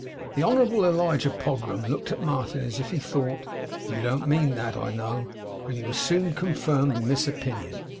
The Honourable Elijah Pogram looked at Martin as if he thought 'You don't mean that, I know!' and he was soon confirmed in this opinion.